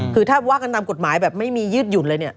คือถ้าตามกฎหมายไม่มียืดหยุ่นอะไร